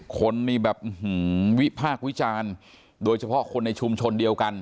คนนี่แบบวิพากษ์วิจารณ์โดยเฉพาะคนในชุมชนเดียวกัน